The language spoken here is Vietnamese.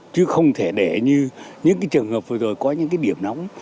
chứ không thể để như những cái trường hợp vừa rồi có những cái điểm nóng